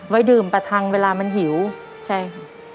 ดื่มประทังเวลามันหิวใช่ค่ะ